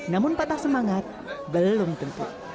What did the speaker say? namun patah semangat belum tentu